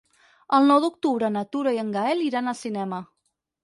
El nou d'octubre na Tura i en Gaël iran al cinema.